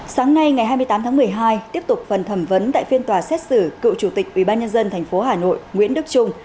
sáng nay ngày hai mươi tám tháng một mươi hai tiếp tục phần thẩm vấn tại phiên tòa xét xử cựu chủ tịch ubnd tp hà nội nguyễn đức trung